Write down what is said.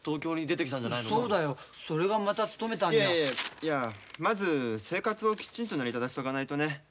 いやまず生活をきちんと成り立たせとかないとね。